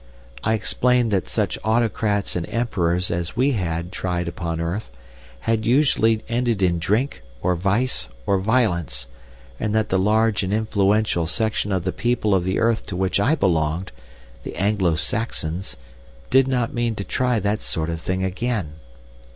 I explained that such autocrats and emperors as we had tried upon earth had usually ended in drink, or vice, or violence, and that the large and influential section of the people of the earth to which I belonged, the Anglo Saxons, did not mean to try that sort of thing again.